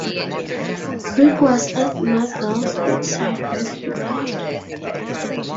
Rick was at Mar-Vell's bedside when he died.